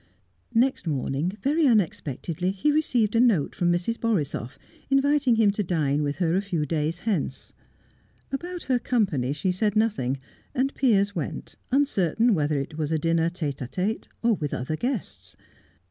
Next morning, very unexpectedly, he received a note from Mrs. Borisoff inviting him to dine with her a few days hence. About her company she said nothing, and Piers went, uncertain whether it was a dinner tete a tete or with other guests.